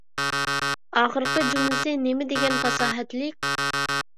ئاخىرقى جۈملىسى نېمىدېگەن پاساھەتلىك!